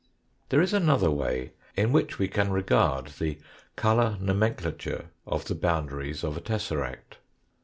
There is another way in which we can regard the colour nomenclature of the boundaries of a tesseract.